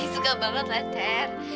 suka banget lah ten